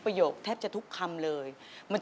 ไปชมมาเลยครับ